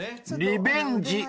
リベンジ